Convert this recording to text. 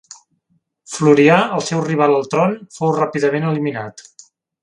Florià, el seu rival al tron, fou ràpidament eliminat.